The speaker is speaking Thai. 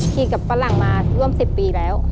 กินกับฝรั่งมาร่วม๑๐ปีแล้ว